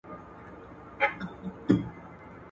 دوی به تل له زور سره درس وایه.